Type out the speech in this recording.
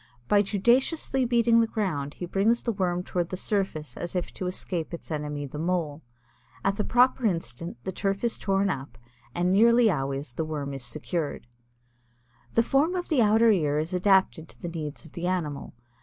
By judiciously beating the ground he brings the Worm toward the surface as if to escape its enemy, the Mole. At the proper instant the turf is torn up and nearly always the Worm secured. The form of the outer ear is adapted to the needs of the animal.